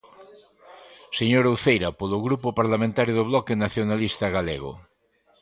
Señora Uceira, polo Grupo Parlamentario do Bloque Nacionalista Galego.